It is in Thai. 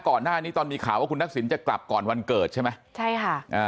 ก่อนหน้านี้มีข่าวว่าคุณทักษิณจะกลับก่อนวันเกิดใช่ไหม